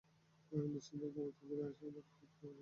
আমি নিশ্চিত না বাড়িতে ফিরে আমাকে আর কী সম্পর্কে কথা বলা উচিত।